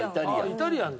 イタリアン。